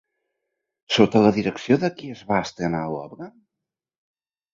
Sota la direcció de qui es va estrenar l'obra?